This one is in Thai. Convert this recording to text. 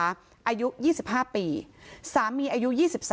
อายุ๒๕ปีสามีอายุ๒๓